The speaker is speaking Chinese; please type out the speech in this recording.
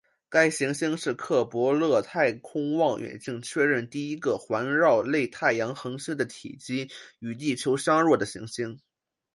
该行星是克卜勒太空望远镜确认第一个环绕类太阳恒星的体积与地球相若的行星。